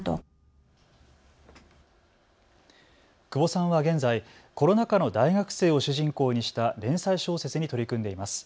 窪さんは現在、コロナ禍の大学生を主人公にした連載小説に取り組んでいます。